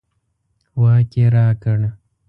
واک یې راکړ.